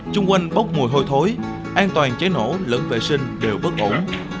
chung quanh bốc mùi hôi thối an toàn cháy nổ lẫn vệ sinh đều bất ổn